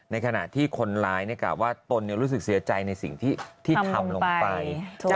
ในขณะที่คนร้ายกล่าวว่าตนรู้สึกเสียใจในสิ่งที่ทำลงไป